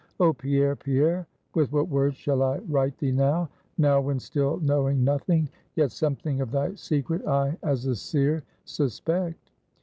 Oh, Pierre, Pierre, with what words shall I write thee now; now, when still knowing nothing, yet something of thy secret I, as a seer, suspect.